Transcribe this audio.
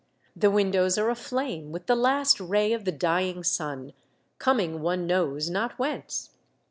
The windows are aflame with the last ray of the dying sun, com ing one knows not whence.